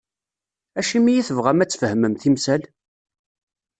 Acimi i tebɣam, a-tt-fehmem temsal?